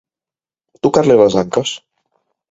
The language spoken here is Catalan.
Tocar-li les anques.